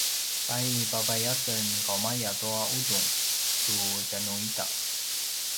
pay pavai aken kaumaya tua ’udung tu tjanuita!